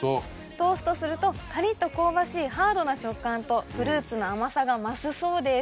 トーストするとカリっと香ばしいハードな食感とフルーツの甘さが増すそうです。